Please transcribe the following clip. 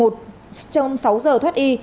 trong sáu giờ thoát y